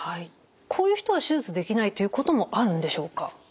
こういう人は手術できないということもあるんでしょうか？